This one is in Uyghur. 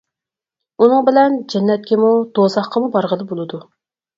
ئۇنىڭ بىلەن جەننەتكىمۇ، دوزاخقىمۇ بارغىلى بولىدۇ.